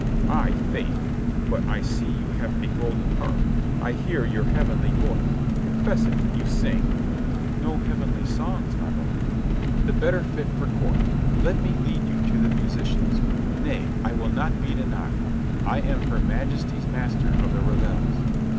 "Ay, faith. But I see you with a golden harp. I hear your heavenly voice. Confess it, you sing?" "No heavenly songs, my lord." "The better fit for court. Let me lead you to the musicians. Nay, I will not be denied. I am her Majesty's master of the revels."